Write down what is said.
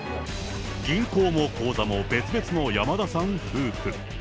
銀行も口座も別々の山田さん夫婦。